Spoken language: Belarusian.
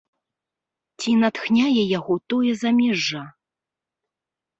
Ці натхняе яго тое замежжа?